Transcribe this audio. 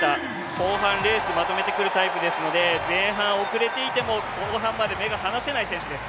後半レースまとめてくるタイプですので前半遅れていても後半まで目が離せない選手です。